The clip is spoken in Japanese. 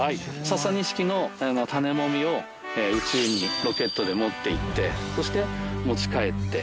ササニシキの種もみを宇宙にロケットで持っていってそして持ち帰って。